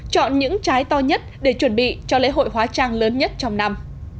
chọn những trái to nhất để chuẩn bị cho lễ hội hóa trang lớn nhất trong năm